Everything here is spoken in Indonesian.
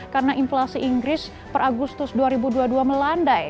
karena inflasi inggris per agustus dua ribu dua puluh dua melandai